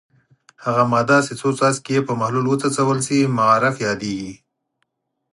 هغه ماده چې څو څاڅکي یې په محلول وڅڅول شي معرف یادیږي.